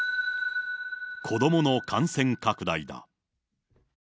子どもの感染拡大だ。